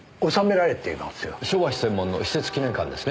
昭和史専門の私設記念館ですね？